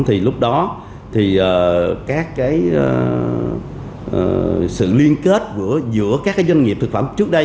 thì lúc đó thì các cái sự liên kết giữa các doanh nghiệp thực phẩm trước đây